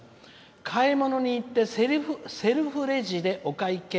「買い物に行ってセルフレジでお会計」。